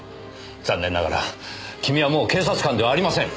残念ながら君はもう警察官ではありません。